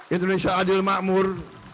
indonesia adil makmur